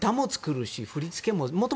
歌も作るし振り付けも。